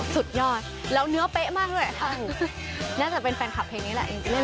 สุดยอดแล้วเนื้อเป๊ะมากด้วยน่าจะเป็นแฟนคลับเพลงนี้แหละ